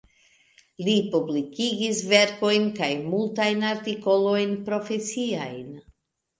Li publikigis verkojn kaj multajn artikolojn profesiajn.